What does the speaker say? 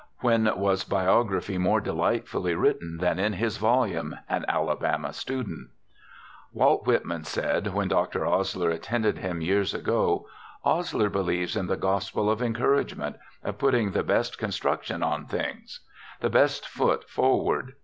When was biography more delightfully written than in his volume An Alabama Student? Walt Whitman said, when Dr. Osler attended him years ago, "Osler believes in the gospel of encouragement of putting the best construction on things the best foot forward.